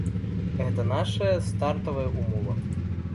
Гэта нашая стартавая ўмова.